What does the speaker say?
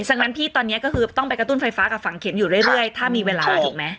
ดังนั้นพี่ตอนนี้ก็คือต้องไปกระตุ้นไฟฟ้ากับฝั่งเข็มอยู่เรื่อยถ้ามีเวลาถูกไหม